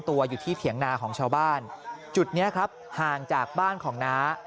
ตัวอยู่ที่เถียงนาของชาวบ้านจุดนี้ครับห่างจากบ้านของน้า